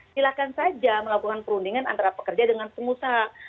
silahkan saja melakukan perundingan antara pekerja dengan pengusaha